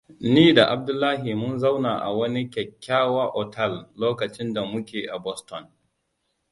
Ni da Abdullahi mun zauna a wani kyakkyawa otal lokacin da muke a Boston.